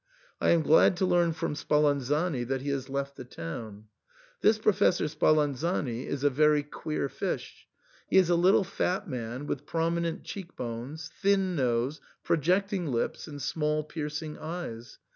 I am glad to learn from Spalan zani that he has left the town. This Professor Spalan zani is a very queer fish. He is a little fat man, with prominent cheek bones, thin nose, projecting lips, and small piercing eyes.